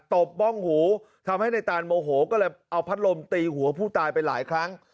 ตบบ้องหูทำให้ในตานโมโหก็เลยเอาพัดลมตีหัวผู้ตายไปหลายครั้ง